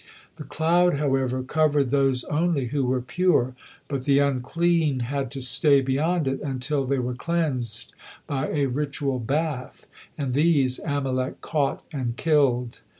The cloud, however, covered those only who were pure, but the unclean had to stay beyond it, until they were cleansed by a ritual bath, and these Amalek caught and killed.